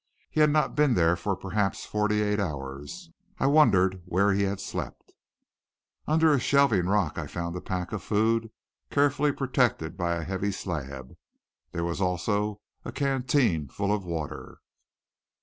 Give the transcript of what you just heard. He had not been there for perhaps forty eight hours. I wondered where he had slept. Under a shelving rock I found a pack of food, carefully protected by a heavy slab. There was also a canteen full of water.